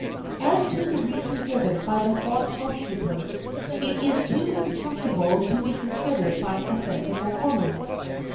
As to the reason given by the fourth housekeeper, it is too contemptible to be considered by a sensible woman.